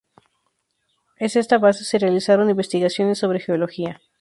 Es esta base se realizaron investigaciones sobre geología.